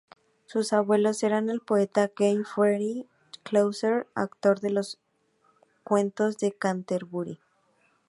Su abuelo era el poeta Geoffrey Chaucer, autor de "Los cuentos de Canterbury".